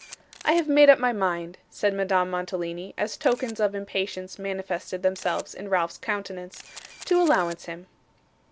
'I have made up my mind,' said Madame Mantalini, as tokens of impatience manifested themselves in Ralph's countenance, 'to allowance him.